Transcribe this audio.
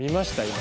今」